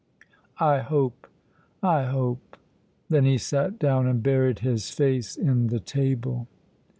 I hope I hope " Then he sat down and buried his face in the table.